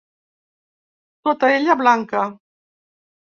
Tota ella blanca.